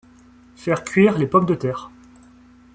Faire cuire les pommes de terre.